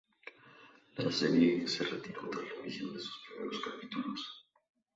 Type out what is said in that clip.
La serie se retiró tras la emisión de sus primeros capítulos.